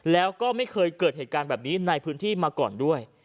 แล้วก็ไม่เคยเกิดเหตุการณ์แบบนี้ในพื้นที่มาก่อนด้วย